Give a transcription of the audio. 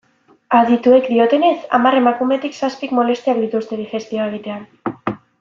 Adituek diotenez, hamar emakumetik zazpik molestiak dituzte digestioa egitean.